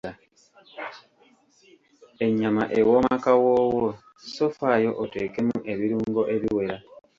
Ennyama ewooma kawoowo so faayo oteekemu ebirungo ebiwera.